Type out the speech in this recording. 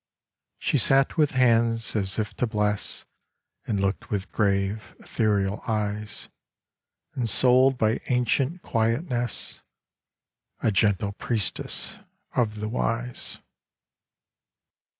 She sat with hands as if to bless, And looked with grave, ethereal eyes ; Ensouled by ancient Quietness, A gentle priestess of the Wise.